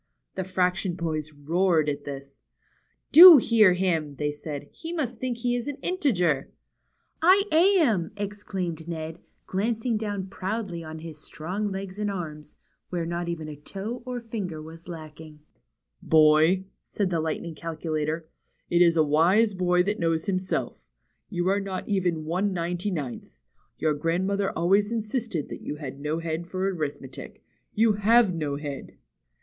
The fraction boys roared at this. Do hear him," they said. He must think he is an integer !" I am !" exclaimed Ned, glancing down proudly on his strong legs and arms, where not even a toe or finger was lacking. Boy," said the Lightning Calculator, ^^it is a wise boy that knows himself. You are not even one ninety 8o THE CHILDREN'S WONDER BOOK. ninth. Your grandmother always insisted that you had no head for arithmetic. You have no head."